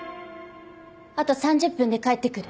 あと３０分で帰ってくる。